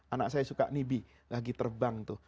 anak saya suka nih bi lagi terbang tuh